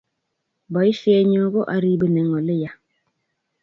Basiet nyun ko aribin eng oleya